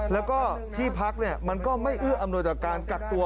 แล้วก็ที่พักมันก็ไม่เอื้ออำนวยต่อการกักตัว